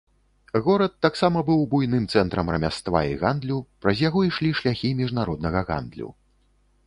Горад таксама быў буйным цэнтрам рамяства і гандлю, праз яго ішлі шляхі міжнароднага гандлю.